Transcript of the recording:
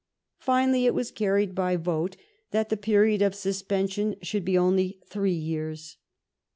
Finally it was carried by vote that the period of suspension should be only three years.